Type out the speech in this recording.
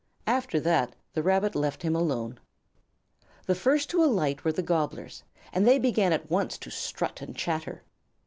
After that the Rabbit left him alone. The first to alight were the Gobblers, and they began at once to strut and chatter.